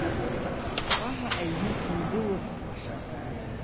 Уаҳа аҩны сындәылыҳәҳәашам.